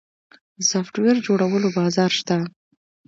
د سافټویر جوړولو بازار شته؟